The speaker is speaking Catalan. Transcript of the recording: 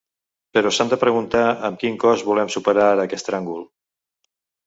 Però s’han de preguntar amb quin cost volem superar ara aquest tràngol.